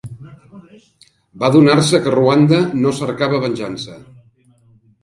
Va adornar-se que Ruanda "no cercava venjança".